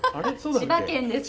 千葉県です。